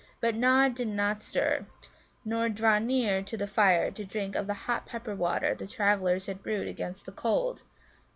But Nod did not stir, nor draw near to the fire to drink of the hot pepper water the travellers had brewed against the cold.